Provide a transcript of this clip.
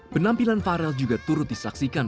penampilan farel juga turut disaksikan